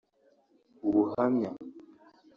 Ubuhamya